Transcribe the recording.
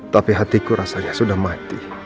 tapi hatiku rasanya sudah mati